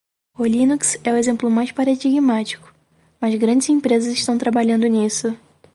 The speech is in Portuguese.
O Linux é o exemplo mais paradigmático, mas grandes empresas estão trabalhando nisso.